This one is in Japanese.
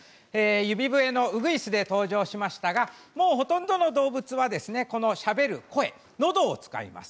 指笛のウグイスで登場しましたがほとんどの動物は、しゃべる声のどを使います。